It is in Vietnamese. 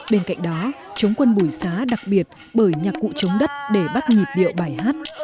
bên cạnh đó chống quân bùi xá đặc biệt bởi nhạc cụ chống đất để bắt nhịp điệu bài hát